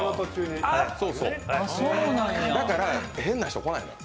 だから変な人、来ないの。